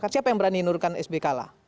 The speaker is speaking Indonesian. siapa yang berani nurkan sby kalah